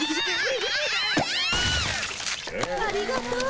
ありがとう！